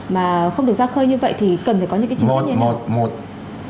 mà không được ra khơi như vậy thì cần phải có những cái chính sách như thế nào